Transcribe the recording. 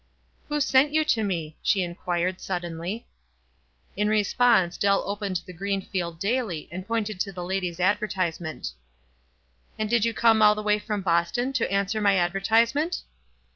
"Who sent you to me?" she inquired, sud denly. In response Dell opened the Greenfield daily and pointed to the lady's advertisement. "And did you come all the way from Boston to answer my advertisement?"